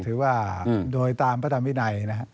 ถือว่าโดยตามพระธรรมวินัยนะครับ